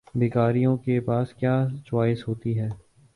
بھکاریوں کے پاس کیا چوائس ہوتی ہے؟